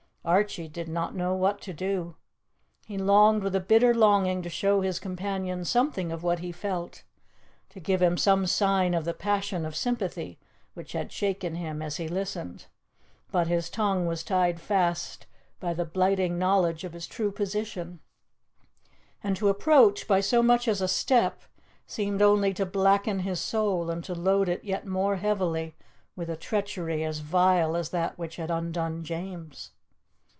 Archie did not know what to do. He longed with a bitter longing to show his companion something of what he felt, to give him some sign of the passion of sympathy which had shaken him as he listened; but his tongue was tied fast by the blighting knowledge of his true position, and to approach, by so much as a step, seemed only to blacken his soul and to load it yet more heavily with a treachery as vile as that which had undone James.